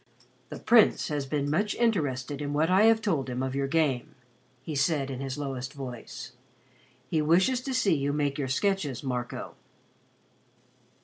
"The Prince has been much interested in what I have told him of your game," he said in his lowest voice. "He wishes to see you make your sketches, Marco."